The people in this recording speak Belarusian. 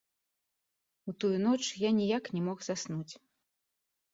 У тую ноч я ніяк не мог заснуць.